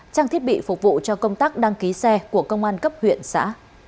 trang thiết bị phục vụ cho công tác đăng ký xe của công an cấp huyện xã